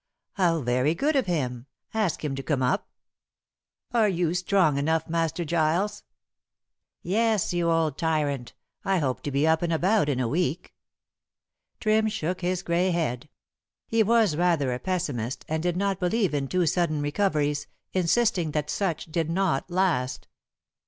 "How very good of him! Ask him to come up." "Are you strong enough, Master Giles?" "Yes, you old tyrant. I hope to be up and about in a week." Trim shook his grey head. He was rather a pessimist, and did not believe in too sudden recoveries, insisting that such did not last.